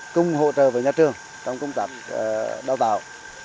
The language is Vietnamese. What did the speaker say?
cùng hỗ trợ với nhà trường trong công tác đào tạo